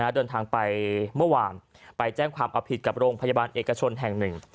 เดินทางไปเมื่อวานไปแจ้งความเอาผิดกับโรงพยาบาลเอกชนแห่งหนึ่ง